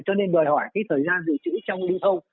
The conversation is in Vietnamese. cho nên đòi hỏi cái thời gian dự trữ trong lưu thông